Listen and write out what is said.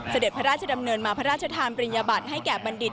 เสด็จพระราชดำเนินมาพระราชทานปริญญาบัติให้แก่บัณฑิต